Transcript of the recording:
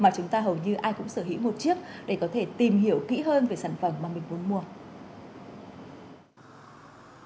mà chúng ta hầu như ai cũng sở hữu một chiếc để có thể tìm hiểu kỹ hơn về sản phẩm mà mình muốn mua